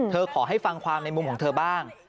ขอให้ฟังความในมุมของเธอบ้าง